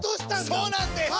そうなんです！